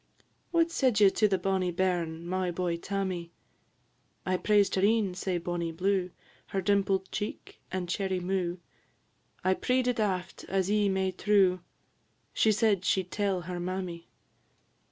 "What said ye to the bonnie bairn, My boy, Tammy?" "I praised her een, sae bonny blue, Her dimpled cheek, and cherry mou'; I pree'd it aft, as ye may true; She said she 'd tell her mammy.